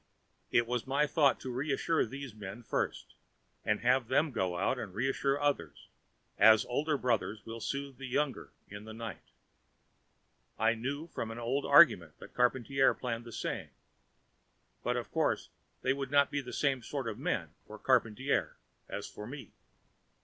It was my thought to reassure these men first, and have them go out and reassure others, as older brothers will soothe the younger in the night. I knew from an old argument that Charpantier planned the same. But, of course, they would not be the same sort of men for Charpantier as for me.